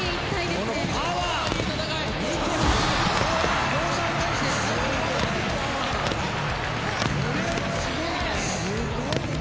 すごいね。